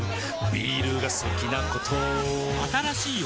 ビールが好きなことあぁーっ！